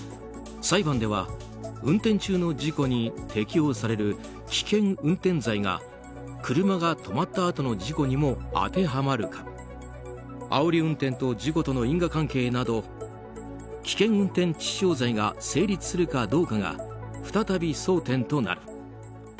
裁判では運転中の事故に適用される危険運転罪が車が止まったあとの事故にも当てはまるかあおり運転と事故との因果関係など危険運転致死傷罪が成立するかどうかが再び争点となる。